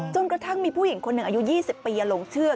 กระทั่งมีผู้หญิงคนหนึ่งอายุ๒๐ปีหลงเชื่อ